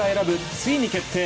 ついに決定！